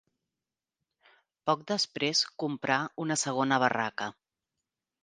Poc després comprà una segona barraca.